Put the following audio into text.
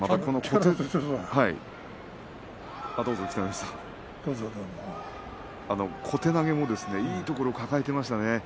落ち着いていました小手投げもいいところを抱えていましたね。